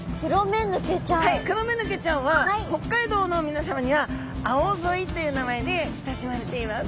クロメヌケちゃんは北海道の皆さまにはあおぞいという名前で親しまれています。